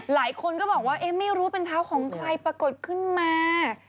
หลายคนก็บอกว่าเอ๊ะไม่รู้เป็นเท้าของใครปรากฏขึ้นมา